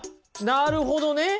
なるほどね！